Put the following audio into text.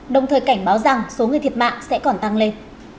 đồng thời cảnh báo rằng số người thiệt mạng sẽ còn tăng lên